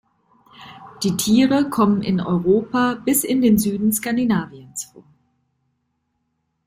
Die Tiere kommen in Europa bis in den Süden Skandinaviens vor.